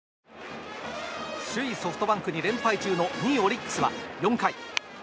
首位ソフトバンクに連敗中の２位、オリックスは４回。